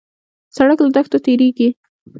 سړک له دښتو تېرېږي.